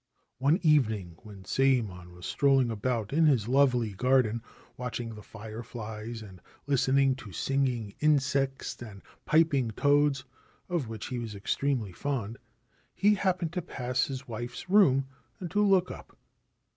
One evening, when Sayemon was strolling about in his lovely garden, watching the fireflies and listening to singing insects and piping toads, of which he was extremely fond, he happened to pass his wife's room and to look up.